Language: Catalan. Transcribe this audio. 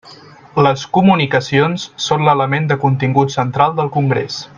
Les COMUNICACIONS són l'element de contingut central del Congrés.